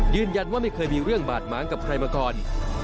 ยืนยันว่าไม่เคยมีเรื่องบาดมากกับใครมาก่อน